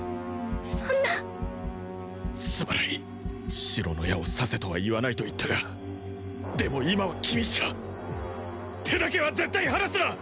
そんなすまない白の矢を刺せとは言わないと言ったがでも今は君しか手だけは絶対離すな！